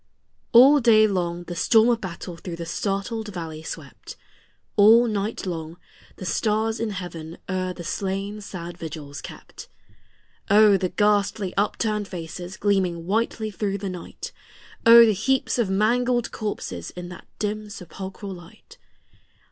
ALL day long the storm of battle through the startled valley swept; All night long the stars in heaven o'er the slain sad vigils kept. O, the ghastly upturned faces gleaming whitely through the night! O, the heaps of mangled corses in that dim sepulchral light!